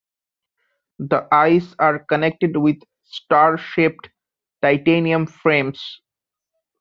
The "eyes" are connected with star shaped titanium frames.